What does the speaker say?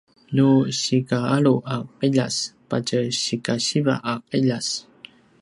nu sikaalu a qiljas patje sikasiva a qiljas